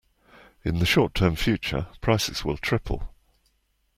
In the short term future, prices will triple.